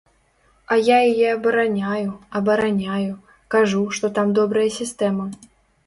А я яе абараняю, абараняю, кажу, што там добрая сістэма.